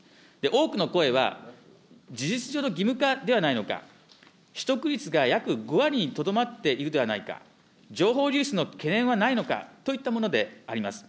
多くの声は、事実上の義務化ではないのか、取得率が約５割にとどまっているではないか、情報流出の懸念はないのかといったものであります。